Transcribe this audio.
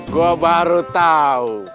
gue baru tau